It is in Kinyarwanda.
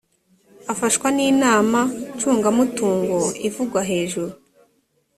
afashwa n ‘inama ncungamutungo ivugwa hejuru.